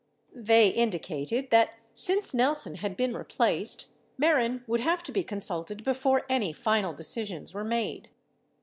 They indicated that since Nelson had been replaced, Mehren would have to be consulted before any final decisions were made.